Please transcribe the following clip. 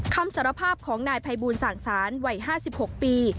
คำสารภาพของนายภัยบูลสั่งสารวัย๕๖ปี